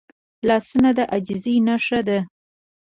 لاسونه د عاجزۍ نښه ده